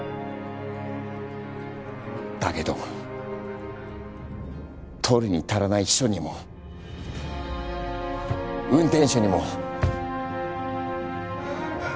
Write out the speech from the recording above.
だけど取るに足らない秘書にも運転手にも。